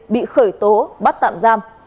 bị khởi tố bắt tạm giam